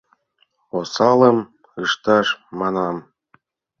Осалым ышташ, манам.